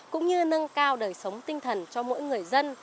cũng như nâng cao đời sống tinh thần cho mỗi người dân